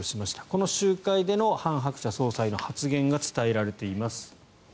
この集会でのハン・ハクチャ総裁の発言が伝えられています。